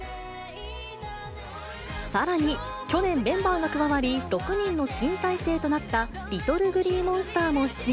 さらに、去年メンバーが加わり、６人の新体制となったＬｉｔｔｌｅＧｌｅｅＭｏｎｓｔｅｒも出演。